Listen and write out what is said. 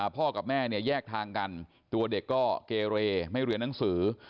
พ่อกับแม่เนี่ยแยกทางกันตัวเด็กก็เกเรไม่เรียนหนังสือ